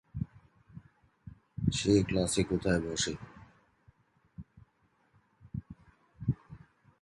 সে ক্লাসে কোথায় বসে?